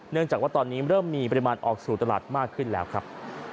จากว่าตอนนี้เริ่มมีปริมาณออกสู่ตลาดมากขึ้นแล้วครับ